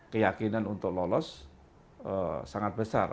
keyakinan untuk lolos sangat besar